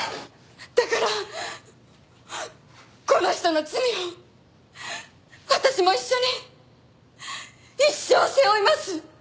だからこの人の罪を私も一緒に一生背負います！